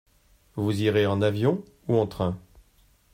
Vous irez en avion ou en train ?